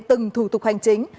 từng thủ tục hành chính